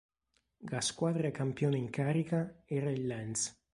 La squadra campione in carica era il Lens.